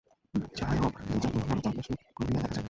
যাহা হউক, দু-চারদিন এখানে তল্লাশ করিয়া দেখা যাক।